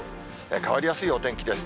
変わりやすいお天気です。